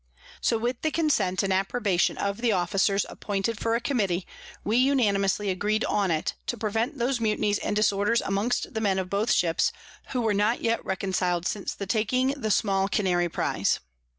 So with the Consent and Approbation of the Officers appointed for a Committee, we unanimously agreed on it, to prevent those Mutinies and Disorders amongst the Men of both Ships, who were not yet reconcil'd since the taking the small Canary Prize.